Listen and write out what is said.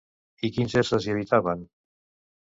I quins éssers hi habitaven?